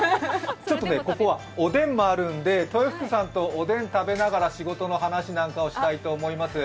ここはおでんもあるんで豊福さんとおでん食べながら仕事の話なんかをしたいと思います。